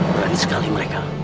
berani sekali mereka